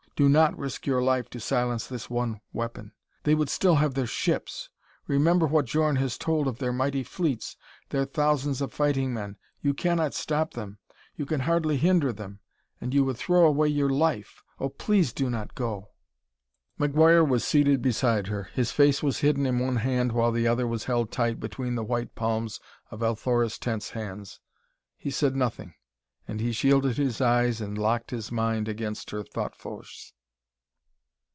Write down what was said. Do not risk your life to silence this one weapon. They would still have their ships. Remember what Djorn has told of their mighty fleets, their thousands of fighting men. You cannot stop them; you can hardly hinder them. And you would throw away your life! Oh, please do not go!" McGuire was seated beside her. His face was hidden in one hand while the other was held tight between the white palms of Althora's tense hands. He said nothing, and he shielded his eyes and locked his mind against her thought force.